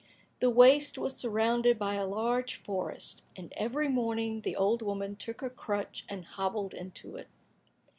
The waste was surrounded by a large forest, and every morning the old woman took her crutch and hobbled into it.